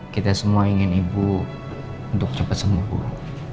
kita semua ingin ibu untuk cepat sembuh